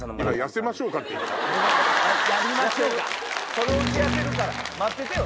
そのうち痩せるから待っててよ